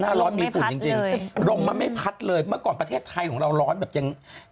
หน้าร้อนมีฝุ่นจริงจริงลมมันไม่พัดเลยเมื่อก่อนประเทศไทยของเราร้อนแบบยัง